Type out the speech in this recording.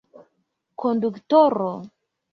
Konduktoro!